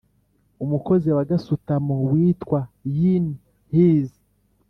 umukozi wa gasutamo witwaga yin his